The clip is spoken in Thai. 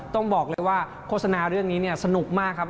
ต้องบอกว่าว่าโฆษณาเรื่องนี้สนุกมากครับ